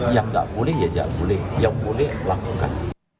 yang nggak boleh ya boleh yang boleh lakukan